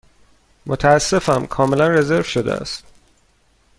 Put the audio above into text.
متأسفم، کاملا رزرو شده است.